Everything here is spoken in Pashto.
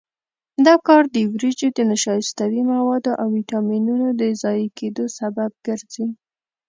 دا کار د وریجو د نشایستوي موادو او ویټامینونو د ضایع کېدو سبب ګرځي.